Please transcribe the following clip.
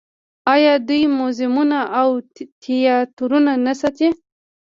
آیا دوی موزیمونه او تیاترونه نه ساتي؟